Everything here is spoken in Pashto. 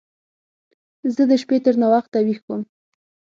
زه د شپې تر ناوخته ويښ وم.